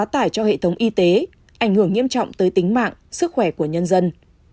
tải cho hệ thống y tế ảnh hưởng nghiêm trọng tới tính mạng sức khỏe của nhân dân